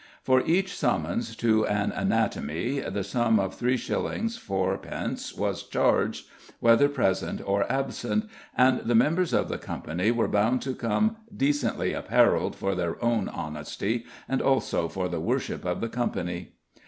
For each summons to "an anatomy" the sum of 3s. 4d. was charged, whether present or absent, and the members of the Company were bound to come "decently appareyled, for their own honestye, and also for the worshippe of the Company."